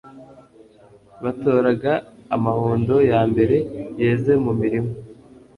Batoraga amahundo ya mbere yeze mu mirima,